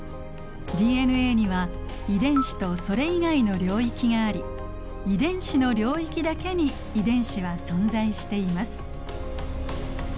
ＤＮＡには遺伝子とそれ以外の領域があり遺伝子の領域だけに遺伝子は存在しています。